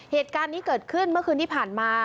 เหตุการณ์นี้เกิดขึ้นเมื่อคืนที่ผ่านมา